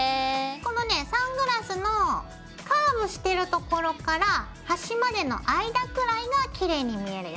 このねサングラスのカーブしてる所からはしまでの間くらいがきれいに見えるよ。